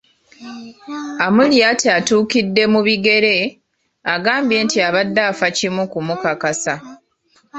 Amuriat atuukidde mu bigere, agambye nti abadde afa kimu kumukakasa.